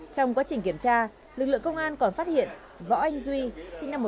trong quá trình kiểm tra lực lượng công an còn phát hiện võ anh duy sinh năm một nghìn chín trăm tám mươi